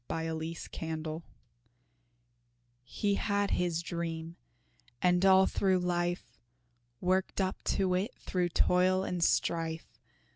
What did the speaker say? HE HAD HIS DREAM He had his dream, and all through life, Worked up to it through toil and strife.